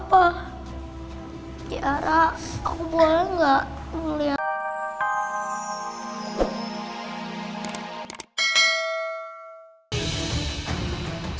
kiara aku boleh gak melihat